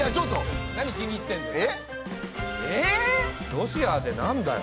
ロシアでなんだよ？